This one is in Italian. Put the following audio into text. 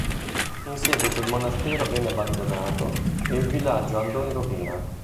In seguito il monastero venne abbandonato ed il villaggio andò in rovina.